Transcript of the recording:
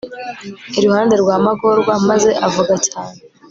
iruhande rwa magorwa maze avuga cyane